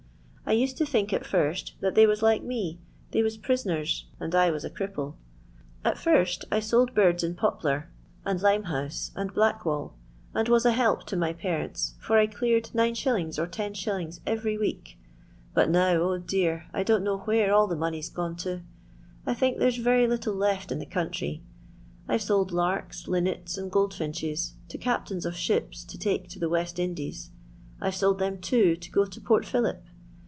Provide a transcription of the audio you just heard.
I used to think at first that they was like me ; they was prisoners, and I was a cripple. At first I sold birds in Poplar, and 68 LONDON LABOUR AND THE LONDON POOR. LimebooM, and Blackwall, and was a help to my parenU, for I cleared 9«. or 10«. ererj week. But now, oh dear, I don't know where all the money *s gone to. I think there '■ rery little left in the country. I 're told larkt, linneta, andgoldfiiiches, to eaptaini of ships to take to the West Indies. I Ve sold them, too, to go to Port Philip.